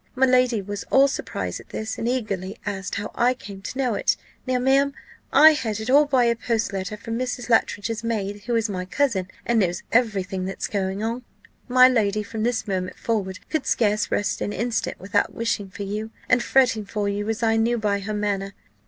My lady was all surprise at this, and eagerly asked how I came to know it. Now, ma'am, I had it all by a post letter from Mrs. Luttridge's maid, who is my cousin, and knows every thing that's going on. My lady from this moment forward could scarce rest an instant without wishing for you, and fretting for you as I knew by her manner.